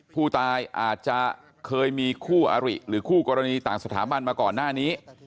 ผู้ตายอาจจะเคยมีคู่อริหรือคู่กรณีต่างสถาบันมาก่อนหน้านี้